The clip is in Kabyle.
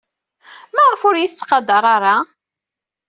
Maɣf ur iyi-tettqadar ara?